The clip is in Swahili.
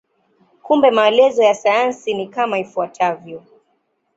Kumbe maelezo ya sayansi ni kama ifuatavyo.